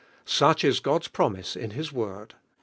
Such ia God's promise in His Ward.